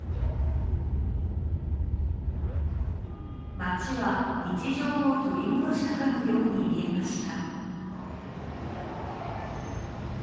街は日常を取り戻したかのように見えました。